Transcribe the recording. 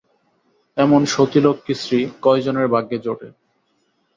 এমন সতীলক্ষ্মী স্ত্রী কয়জনের ভাগ্যে জোটে?